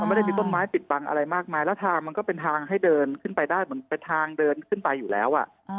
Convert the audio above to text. ไม่ได้มีต้นไม้ปิดบังอะไรมากมายแล้วทางมันก็เป็นทางให้เดินขึ้นไปได้เหมือนเป็นทางเดินขึ้นไปอยู่แล้ว